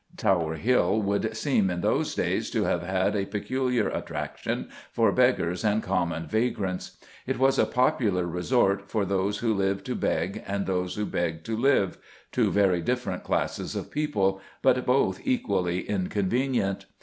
Tower Hill would seem, in those days, to have had a peculiar attraction for "beggars and common vagrants." It was a popular resort for those who lived to beg and those who begged to live two very different classes of people, but both equally inconvenient.